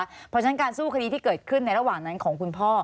เพราะฉะนั้นการสู้คดีที่เกิดขึ้นในระหว่างนั้นของคุณพ่อ